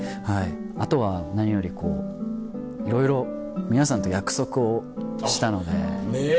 あとは何よりいろいろ皆さんと約束をしたので。ねぇ！